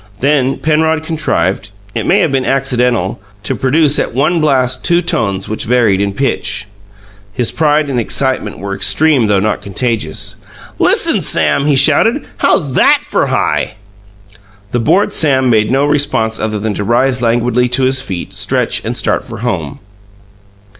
Then Penrod contrived it may have been accidental to produce at one blast two tones which varied in pitch. His pride and excitement were extreme though not contagious. "Listen, Sam!" he shouted. "How's THAT for high?" The bored Sam made no response other than to rise languidly to his feet, stretch, and start for home.